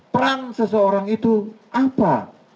peran seseorang itu apa